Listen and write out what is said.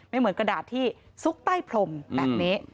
เหมือนกระดาษที่ซุกใต้พรมแบบนี้